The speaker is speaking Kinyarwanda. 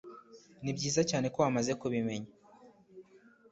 ni byiza cyane ko wamaze kubimenya